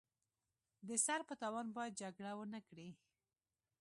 د سر په تاوان باید جګړه ونکړي.